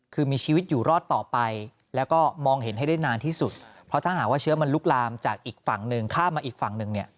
คือมีชีวิตอยู่รอดต่อไปแล้วก็มองเห็นให้ได้นานที่สุดเพราะถ้าหากว่าเชื้อมันลุกลามจากอีกฝั่งหนึ่งข้ามมาอีกฝั่งหนึ่งเนี่ย